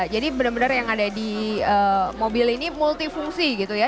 benar benar yang ada di mobil ini multifungsi gitu ya